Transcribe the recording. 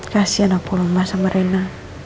kasian aku lemah sama reina